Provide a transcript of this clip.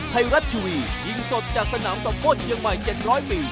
ไทยรัฐทีวียิงสดจากสนามสมโพธิเชียงใหม่๗๐๐ปี